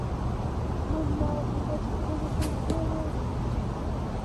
Ma'n wha'r i wedi prynu beic newydd.